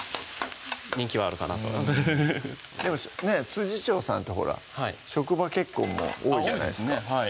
人気はあるかなとフフフッでもね調さんってほら職場結婚も多いじゃないですか多いですね